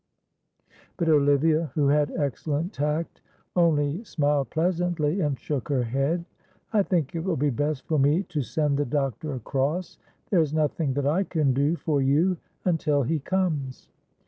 But Olivia, who had excellent tact, only smiled pleasantly, and shook her head. "I think it will be best for me to send the doctor across, there is nothing that I can do for you until he comes."